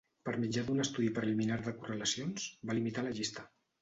Per mitjà d'un estudi preliminar de correlacions, va limitar la llista.